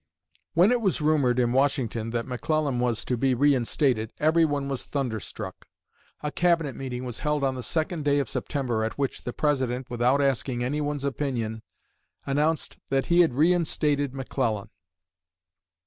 When it was rumored in Washington that McClellan was to be reinstated, everyone was thunderstruck. A Cabinet meeting was held on the second day of September, at which the President, without asking anyone's opinion, announced that he had reinstated McClellan.